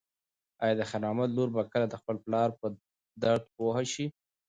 ایا د خیر محمد لور به کله د خپل پلار په درد پوه شي؟